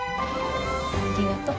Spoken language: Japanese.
ありがとう。